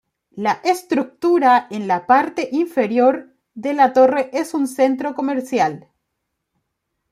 La estructura en la parte inferior de la torre es un centro comercial.